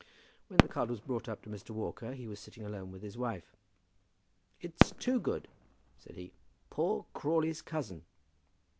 When the card was brought up to Mr. Walker he was sitting alone with his wife. "It's Toogood," said he; "poor Crawley's cousin."